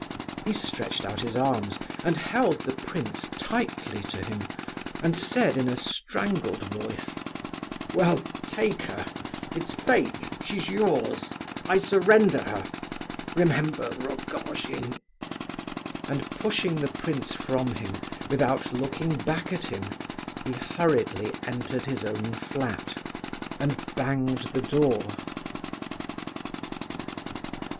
He stretched out his arms and held the prince tightly to him, and said in a strangled voice: "Well, take her! It's Fate! She's yours. I surrender her.... Remember Rogojin!" And pushing the prince from him, without looking back at him, he hurriedly entered his own flat, and banged the door.